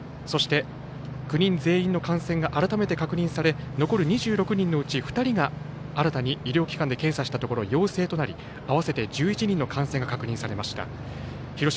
そして、９人全員の感染が改めて確認され２人が新たに医療機関で検査したところ陽性となり合わせて１１人の感染が確認されました。